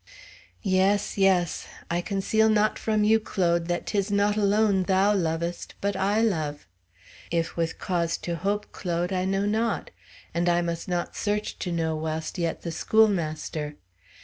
"Yes, yes; I conceal not from you, Claude, that 'tis not alone 'thou lovest,' but 'I love'! If with cause to hope, Claude, I know not. And I must not search to know whilst yet the schoolmaster.